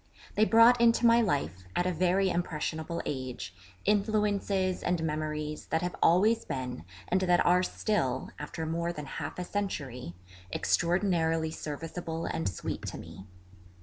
They brought into my life, at a very impressionable age, influences and memories that have always been, and that are still, after more than half a century, extraordinarily serviceable and sweet to me.